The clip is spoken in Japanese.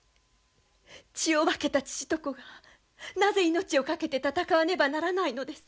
血を分けた父と子がなぜ命を懸けて戦わねばならないのですか。